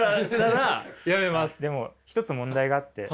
でも一つ問題があって。